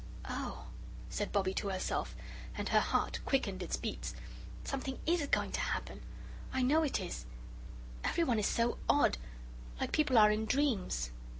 "Oh!" said Bobbie to herself, and her heart quickened its beats, "something IS going to happen! I know it is everyone is so odd, like people are in dreams."